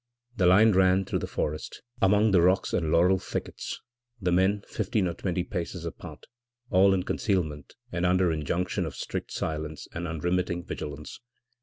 The line ran through the forest, among the rocks and laurel thickets, the men fifteen or twenty paces apart, all in concealment and under injunction of strict silence and unremitting vigilance.